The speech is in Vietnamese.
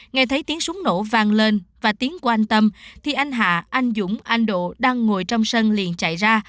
nghe thấy tiếng súng nổ vang lên và tiếng qua anh tâm thì anh hạ anh dũng anh độ đang ngồi trong sân liền chạy ra